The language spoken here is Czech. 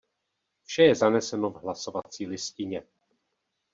Vše je zaneseno v hlasovací listině.